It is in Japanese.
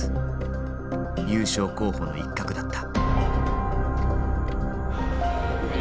優勝候補の一角だった。